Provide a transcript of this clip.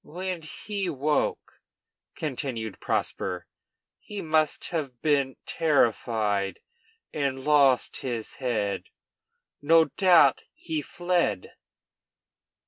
"When he woke," continued Prosper, "he must have been terrified and lost his head; no doubt he fled."